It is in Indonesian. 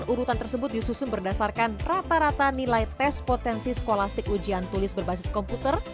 urutan tersebut disusun berdasarkan rata rata nilai tes potensi skolastik ujian tulis berbasis komputer